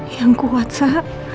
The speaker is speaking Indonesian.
yang kuat sa